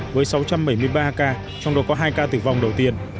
với sáu trăm bảy mươi ba ca trong đó có hai ca tử vong đầu tiên